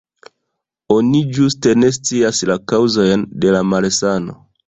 Oni ĝuste ne scias la kaŭzojn de la malsano.